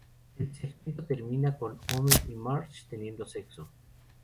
El segmento termina con Homer y Marge teniendo sexo.